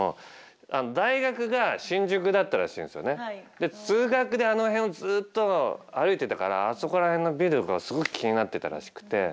で通学であの辺をずっと歩いてたからあそこら辺のビルがすごく気になってたらしくて。